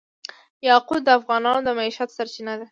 یاقوت د افغانانو د معیشت سرچینه ده.